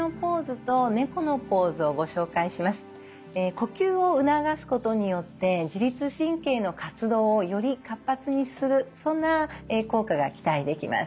呼吸を促すことによって自律神経の活動をより活発にするそんな効果が期待できます。